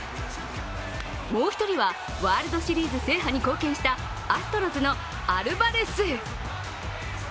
もう１人は、ワールドシリーズ制覇に貢献したアストロズのアルバレス。